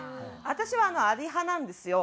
私はあり派なんですよ。